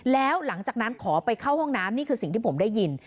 แล้วหลังจากนั้นขอไปเข้าห้องน้ำนี่คือสิ่งที่ผมได้ยิน